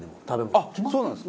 あっそうなんですか？